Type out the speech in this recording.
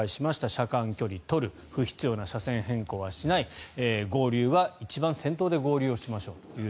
車間距離を取る不必要な車線変更はしない合流は一番先頭で合流しましょうと。